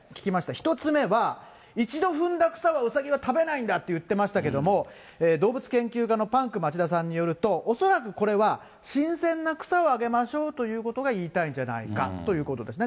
１つ目は、一度踏んだ草はうさぎは食べないんだって言ってましたけども、動物研究家のパンク町田さんによると、恐らく、これは新鮮な草をあげましょうということが言いたいんじゃないかということですね。